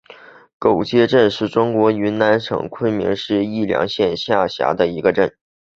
狗街镇是中国云南省昆明市宜良县下辖的一个镇。